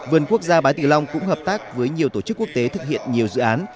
vườn quốc gia bái tuy long cũng hợp tác với nhiều tổ chức quốc tế thực hiện nhiều dự án